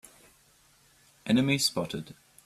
Enemy spotted!